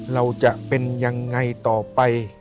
เราจะเป็นยังไงต่อไป